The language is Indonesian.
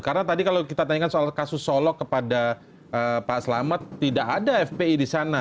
karena tadi kalau kita tanyakan soal kasus solok kepada pak selamat tidak ada fpi di sana